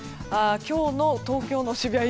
今日の東京の渋谷